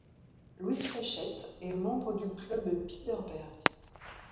Louise Fréchette est membre du club Bilderberg.